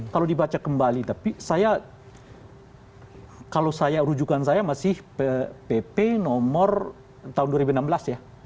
kalau dibaca kembali tapi saya kalau saya rujukan saya masih pp nomor tahun dua ribu enam belas ya